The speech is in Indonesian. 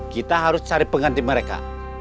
kita harus cari pengganti mereka